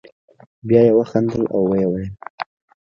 بیا یې وخندل او ویې ویل.